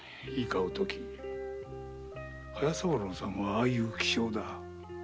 おとき隼三郎さんはああいう気性だ。